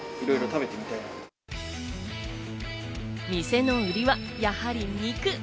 店の売りは、やはり肉。